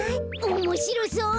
おもしろそう！